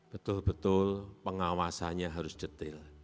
betul betul pengawasannya harus detail